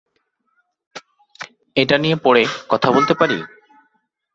এটা নিয়ে পরে কথা বলতে পারি?